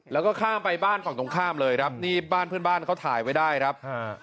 แล้วก็ข้ามไปบ้านฝั่งตรงข้ามเลยครับนี่บ้านเพื่อนบ้านเขาถ่ายไว้ได้ครับ